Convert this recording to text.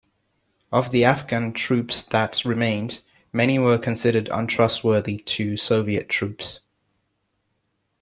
Of the Afghan troops that remained, many were considered untrustworthy to Soviet troops.